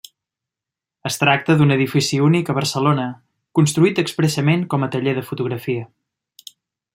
Es tracta d'un edifici únic a Barcelona construït expressament com a taller de fotografia.